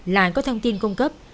lại có thông tin cung cấp